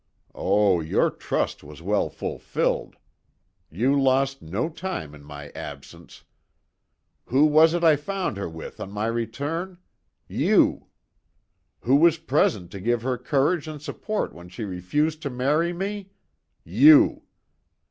Oh, your trust was well fulfilled. You lost no time in my absence. Who was it I found her with on my return? You! Who was present to give her courage and support when she refused to marry me? You!